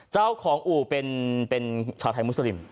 เจ้าของอู่เป็นชาวไทยมุสลิม